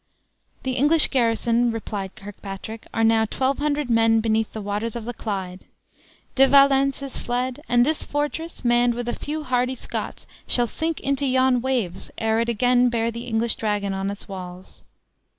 "The English garrison," replied Kirkpatrick, "are now twelve hundred men beneath the waters of the Clyde. De Valence is fled; and this fortress, manned with a few hardy Scots, shall sink into yon waves ere it again bear the English dragon on its walls."